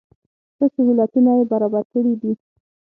ښه سهولتونه یې برابر کړي دي.